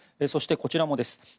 そして、こちらもです。